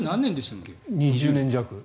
２０年弱。